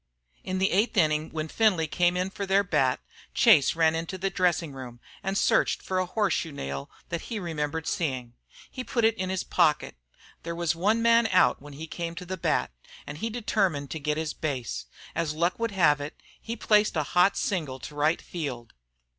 In the eighth inning, when Findlay came in for their bat, Chase ran into the dressing room and searched for a horseshoe nail that he remembered seeing. He put it in his pocket. There was one man out when he came to the bat, and he determined to get his base. As luck would have it he placed a hot single in right field.